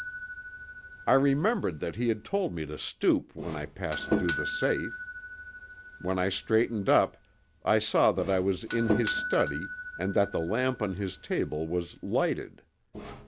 I remembered that he had told me to stoop when I passed through the safe. When I straightened up I saw that I was in his study and that the lamp on his table was lighted.